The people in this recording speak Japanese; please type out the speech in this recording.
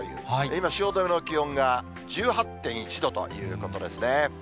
今、汐留の気温が１８．１度ということですね。